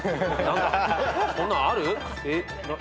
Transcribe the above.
そんなんある？